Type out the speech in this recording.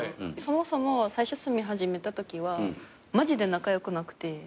そもそも最初住み始めたときはマジで仲良くなくて。